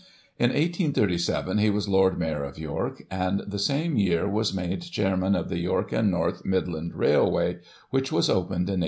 In 1837, he was Lord Mayor of York ; and, the same year, was made ChairmicLn of the York and North Midland Railway, which was opened in 1839.